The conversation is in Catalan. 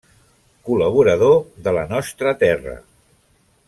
Col·laborador de La Nostra Terra.